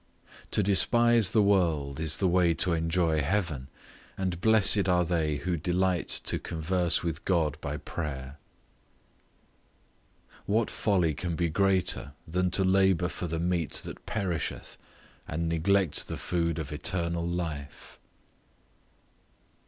To despise the world is the way to enjoy heaven; and blessed are they who delight to converse with God by prayer. What folly can be greater than to labour for the meat that perisheth, and neglect the food of eternal life?